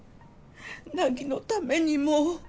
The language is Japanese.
凪のためにも。